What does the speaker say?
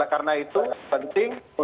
karena itu penting